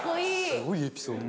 すごいエピソード。